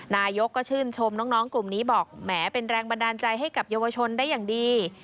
นายกก็ชื่นชมน้องกลุ่มนี้บอกแหมเป็นแรงบันดาลใจให้กับเยาวชนได้อย่างดี